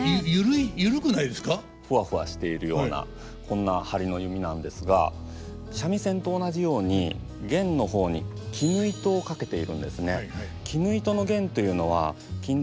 ふわふわしているようなこんな張りの弓なんですが三味線と同じように絃の方に絹糸を掛けているんですね。